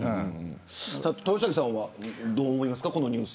豊崎さんはどう思いますか。